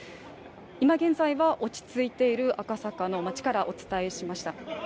今現在は落ち着いている赤坂の街からお伝えしました。